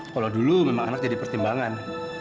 kalau dulu memang anak jadi pertimbangan